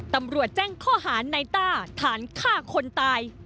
ตำรวจแจ้งข้อหาในต้าฐานฆ่าคนตาย